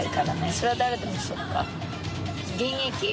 それは誰でもそうか。